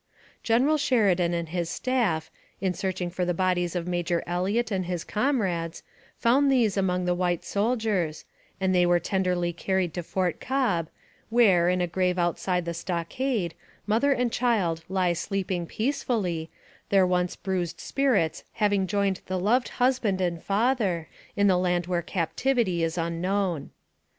General Sheridan and his staff, in searching for the bodies of Major Elliott and his comrades, found these among the white soldiers, and they were tenderly car ried to Fort Cobb, where, in a grave outside the stock ade, mother and child lie sleeping peacefully, their once bruised spirits having joined the loved husband and father in the land where captivity is unknown.